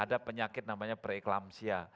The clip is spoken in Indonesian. ada penyakit namanya preeklampsia